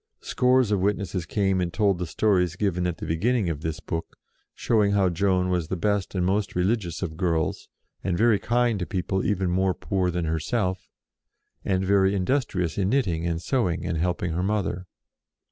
Scores of witnesses came and told the stories given at the beginning of this book, showing how Joan was the best and most religious of girls, and very kind to people even more poor than herself, and very industrious in knitting and sewing and helping her mother.